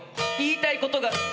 「言いたいことが」